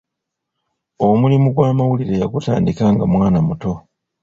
Omulimu gw’amawulire yagutandika nga mwana muto.